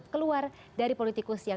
keluar dari politikusnya